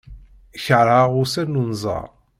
Keṛheɣ ussan n unẓar.